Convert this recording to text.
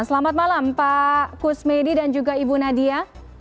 selamat malam pak kusmedi dan juga ibu nadia